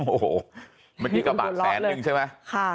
โอ้โหเมื่อกี้กระบะแสนนึงใช่ไหม